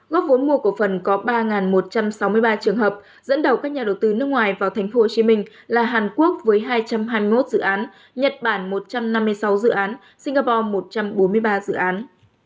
góp vốn mua cổ phần có ba một trăm sáu mươi ba trường hợp dẫn đầu các nhà đầu tư nước ngoài vào tp hcm là hàn quốc với hai trăm hai mươi một dự án nhật bản một trăm năm mươi sáu dự án singapore một trăm bốn mươi ba dự án